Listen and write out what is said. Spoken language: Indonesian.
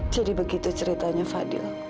jadi begitu ceritanya fadil